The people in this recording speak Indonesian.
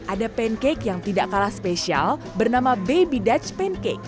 ada pancake yang tidak kalah spesial bernama baby dutch pancake